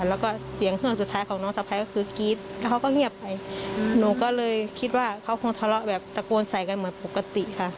แล้วก็เสียงเครื่องสุดท้ายของน้องสะพ้ายก็คือกรี๊ดแล้วเขาก็เงียบไปหนูก็เลยคิดว่าเขาคงทะเลาะแบบตะโกนใส่กันเหมือนปกติค่ะ